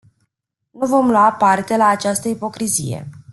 Nu vom lua parte la această ipocrizie.